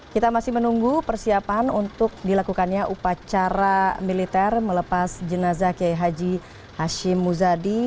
kita masih menunggu persiapan untuk dilakukannya upacara militer melepas jenazah kiai haji hashim muzadi